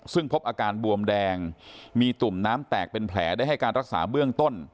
ซึ่งพบอาการบวมแดงมีตุ่มน้ำแตกเป็นแผลได้ให้การรักษาเบื้องต้น